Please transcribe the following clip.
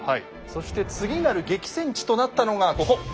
そして次なる激戦地となったのがここ。